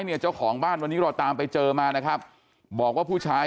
เนี่ยเจ้าของบ้านวันนี้เราตามไปเจอมานะครับบอกว่าผู้ชาย